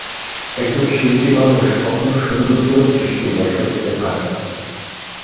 একজন শিল্পীমানুষ কখনো সুন্দর কোনো সৃষ্টি নষ্ট করতে পারেন না।